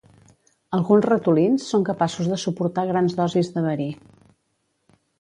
Alguns ratolins són capaços de suportar grans dosis de verí.